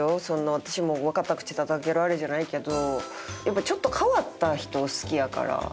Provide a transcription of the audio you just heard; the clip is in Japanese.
そんな私もわかった口たたけるあれじゃないけどやっぱちょっと変わった人を好きやから。